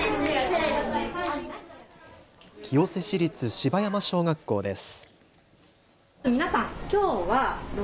清瀬市立芝山小学校です。